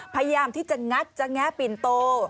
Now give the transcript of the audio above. พยายามที่จะงัดจะแงะปิ่นโต